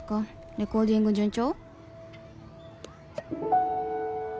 「レコーディング順調？」